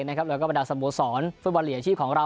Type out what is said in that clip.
และบรรดาสะบโมสรฝซภูตบอลอย่างลี่ยออาชีพของเรา